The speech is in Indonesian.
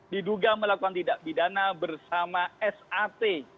diduga melakukan tidak pidana bersama sat